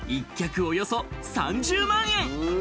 およそ３０万円。